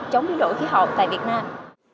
chống biến đổi khí hậu tại việt nam